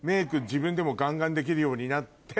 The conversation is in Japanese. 自分でもガンガンできるようになって。